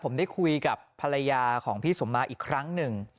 ผมได้คุยกับภรรยาของพี่สมมาอีกครั้งหนึ่ง